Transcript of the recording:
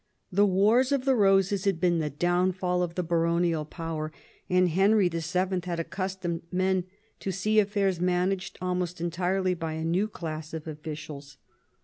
The Wars of the Eoses had seen the downfall of the baronial power, and Henry VII. had accustomed men to see affairs managed almost entirely by a new class of officials.